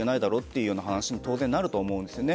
いう話に当然なると思うんです。